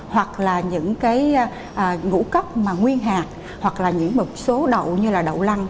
hoặc là những cái ngũ cốc mà nguyên hạt hoặc là những mật số đậu như là đậu lăng